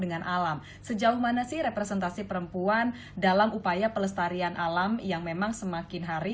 dengan alam sejauh mana sih representasi perempuan dalam upaya pelestarian alam yang memang semakin hari